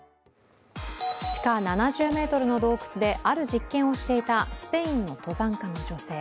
地下７０ｍの洞窟である実験をしていたスペインの登山家の女性。